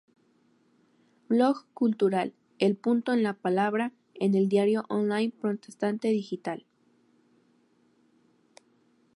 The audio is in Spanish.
Blog cultural "El punto en la palabra" en el diario online Protestante Digital